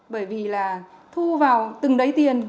bởi vì là thu vào từng đấy tiền